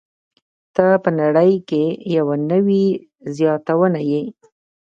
ته په نړۍ کې یوه نوې زياتونه يې.